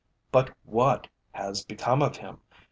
"But what has become of him?